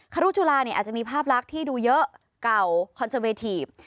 ครุจุลาเนี่ยอาจจะมีภาพลักษณ์ที่ดูเยอะเก่าคอนเซอร์เวทีฟ